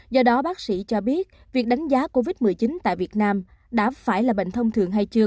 do đó bác sĩ cho biết việc đánh giá covid một mươi chín tại việt nam đã phải là bệnh thông thường hay chưa